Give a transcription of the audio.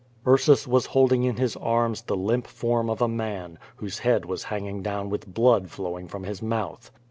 Ursus was holding in his arms the limp form of a man, whose head was hanging down with blood flowing from his mouth.